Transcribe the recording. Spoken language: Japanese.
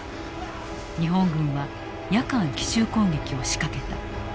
日本軍は夜間奇襲攻撃を仕掛けた。